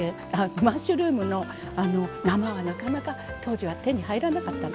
マッシュルームの生はなかなか当時は手に入らなかったの。